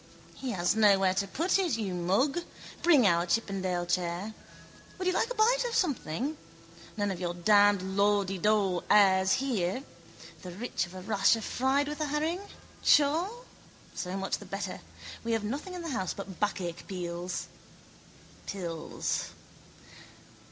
—He has nowhere to put it, you mug. Bring in our chippendale chair. Would you like a bite of something? None of your damned lawdeedaw airs here. The rich of a rasher fried with a herring? Sure? So much the better. We have nothing in the house but backache pills.